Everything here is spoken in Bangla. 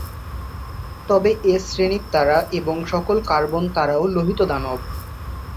তবে এস শ্রেণীর তারা এবং সকল কার্বন তারাও লোহিত দানব।